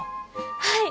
はい！